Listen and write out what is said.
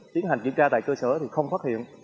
tiến hành kiểm tra tại cơ sở thì không phát hiện